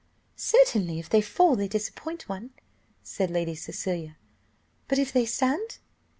"Certainly if they fall they disappoint one," said Lady Cecilia, "but if they stand?"